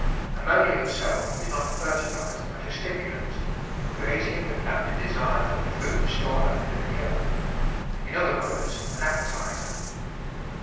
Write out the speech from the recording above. Ammonia itself is not a fer tiliser but a stimulant, creating in the plant a desire for the food stored up in the manure — in other words, an appetiser.